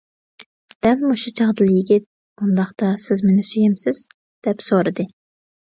دەل مۇشۇ چاغدىلا يىگىت: «ئۇنداقتا سىز مېنى سۆيەمسىز؟ » دەپ سورىدى.